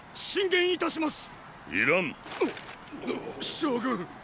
将軍！